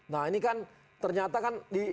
nah ini kan ternyata kan